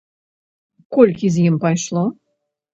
Колькі з ім пайшло?